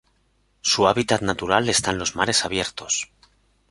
Su hábitat natural está en los mares abiertos.